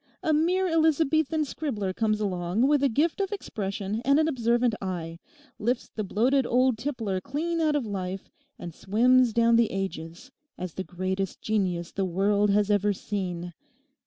A mere Elizabethan scribbler comes along with a gift of expression and an observant eye, lifts the bloated old tippler clean out of life, and swims down the ages as the greatest genius the world has ever seen.